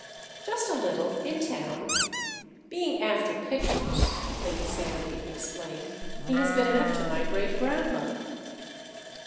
"Just a little—in town. Being 'after pictures'" Lady Sandgate explained, "he has been after my great grandmother."